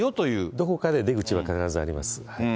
どこかで出口は必ずあります。